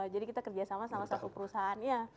jadi kita kerjasama sama satu perusahaan